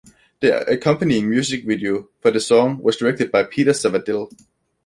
The accompanying music video for the song was directed by Peter Zavadil.